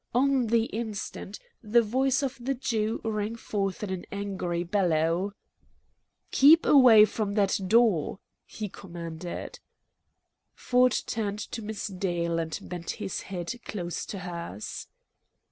On the instant the voice of the Jew rang forth in an angry bellow. "Keep away from that door!" he commanded. Ford turned to Miss Dale and bent his head close to hers.